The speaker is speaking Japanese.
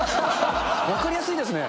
分かりやすいですね。